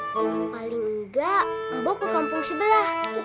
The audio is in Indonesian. paling gak bu ke kampung sebelah